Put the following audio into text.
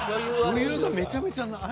余裕がめちゃめちゃない？